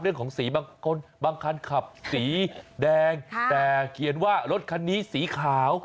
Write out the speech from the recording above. เรื่องของสีบางคนบางคันขับสีแดงแต่เขียนว่ารถคันนี้สีขาว